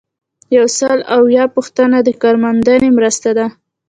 یو سل او اووه پوښتنه د کارموندنې مرسته ده.